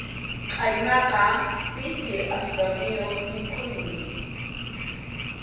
Qʼaymaqa pisi asukarniyuq mikhuymi.